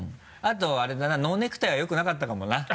あとあれだなノーネクタイはよくなかったかもな。